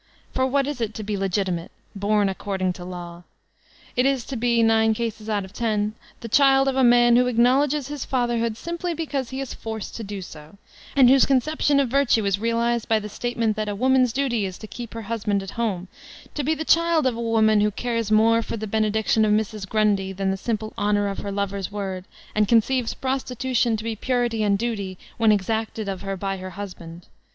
For what is it to be legitimate, bom ''according to law'' ? It is to be, nine cases out of ten, the child of a man who acknowledges his fatherhood simply because he is forced to do so, and whose conception of virtue is realized by the statement that "a woman's duty is to keep her husband at home" ; to be the child of a woman who Sex Slavbey 347 cares more for the benediction of Mrs. Grundy than the simple honor of her lover's word, and conceives prostitu tion to be purity and duty when exacted of her by her husband.